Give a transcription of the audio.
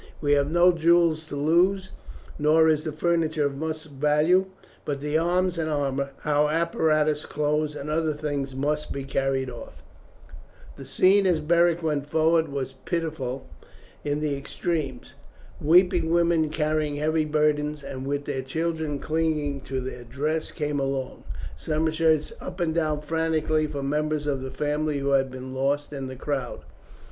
We have no jewels to lose, nor is the furniture of much value, but the arms and armour, our apparatus, clothes, and other things must be carried off." The scene as Beric went forward was pitiful in the extreme. Weeping women carrying heavy burdens and with their children clinging to their dress came along. Some searched up and down frantically for members of the family who had been lost in the crowd.